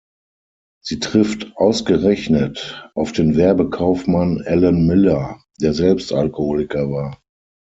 Sie trifft ausgerechnet auf den Werbekaufmann Alan Miller, der selbst Alkoholiker war.